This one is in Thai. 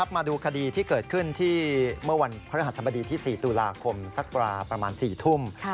มาดูคดีที่เกิดขึ้นที่เมื่อวันพระรหัสบดีที่๔ตุลาคมสักประมาณ๔ทุ่ม